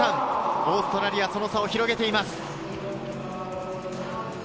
オーストラリア、その差を広げています。